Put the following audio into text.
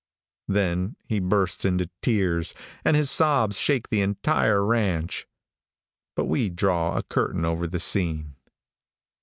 Then he bursts into tears, and his sobs shake the entire ranch. But we draw a curtain over the scene.